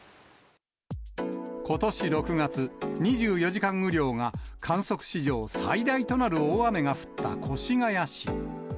ことし６月、２４時間雨量が観測史上最大となる大雨が降った越谷市。